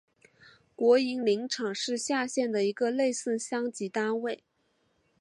国营林场是下辖的一个类似乡级单位。